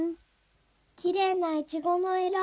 きれいなイチゴの色。